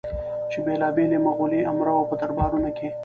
چې بېلابېلو مغولي امراوو په دربارونو کې